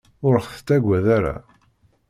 Ur ɣ-tettagad ara.